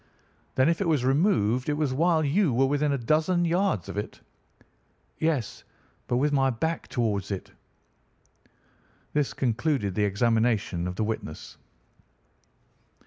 "'Then if it was removed it was while you were within a dozen yards of it?' "'Yes, but with my back towards it.' "This concluded the examination of the witness."